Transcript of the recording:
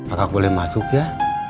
akang boleh masuk ya